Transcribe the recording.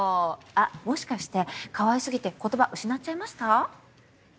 あっもしかしてかわいすぎて言葉失っちゃいました？